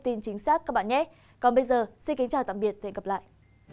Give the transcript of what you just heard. xin chào tạm biệt và hẹn gặp lại